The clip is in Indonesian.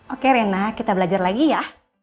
oke rena kita belajar lagi ya